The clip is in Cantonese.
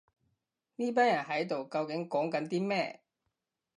呢班人喺度究竟講緊啲咩